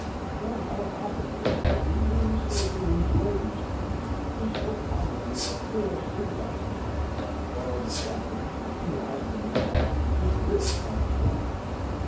But how happens it that he who is said to enjoy these things is so commonly a poor civilized man, while the savage, who has them not, is rich as a savage?